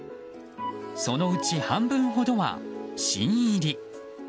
そのうち半分ほどは新入り。